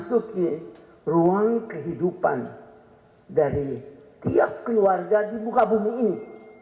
memasuki ruang kehidupan dari tiap keluarga di muka bumi ini